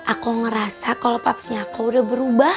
aku ngerasa kalau papsi aku udah berubah